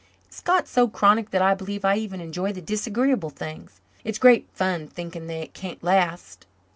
"It's got so chronic that I believe I even enjoy the disagreeable things. It's great fun thinking they can't last.